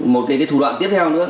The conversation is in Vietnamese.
một cái thủ đoạn tiếp theo nữa